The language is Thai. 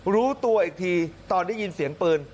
รู้ตัวอีกทีตอนได้ยินเสียงปืน